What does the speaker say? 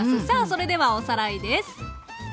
さあそれではおさらいです。